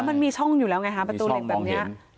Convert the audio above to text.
แล้วมันมีช่องอยู่แล้วไงฮะประตูเหล็กแบบเนี้ยมีช่องมองเห็น